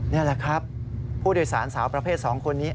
นี่แหละครับผู้โดยสารสาวประเภท๒คนนี้